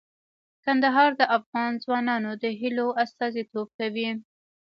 کندهار د افغان ځوانانو د هیلو استازیتوب کوي.